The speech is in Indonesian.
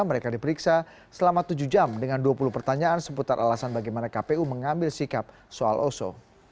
mereka diperiksa selama tujuh jam dengan dua puluh pertanyaan seputar alasan bagaimana kpu mengambil sikap soal oso